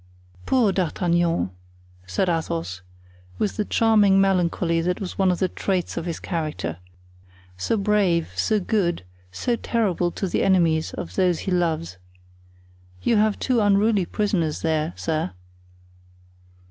"Poor D'Artagnan'" said Athos, with the charming melancholy that was one of the traits of his character, "so brave, so good, so terrible to the enemies of those he loves. You have two unruly prisoners there, sir."